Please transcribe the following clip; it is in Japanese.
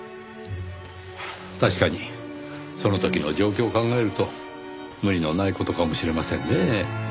確かにその時の状況を考えると無理のない事かもしれませんねぇ。